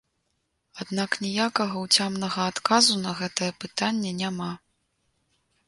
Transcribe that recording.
Аднак ніякага ўцямнага адказу на гэтае пытанне няма.